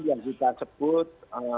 yang kita sebut